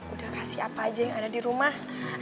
udah kasih apa aja yang ada di rumah